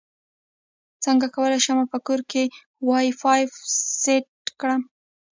څنګه کولی شم په کور کې وائی فای سیټ کړم